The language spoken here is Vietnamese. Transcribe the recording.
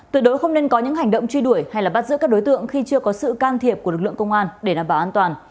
tuyệt đối không nên có những hành động truy đuổi hay bắt giữ các đối tượng khi chưa có sự can thiệp của lực lượng công an để đảm bảo an toàn